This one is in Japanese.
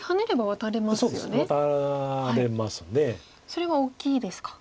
それは大きいですか。